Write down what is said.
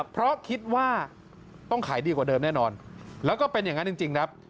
เพราะคิดว่าต้องขายดีกว่าเดิมแน่นอนแล้วก็เป็นอย่างนั้นจริงครับ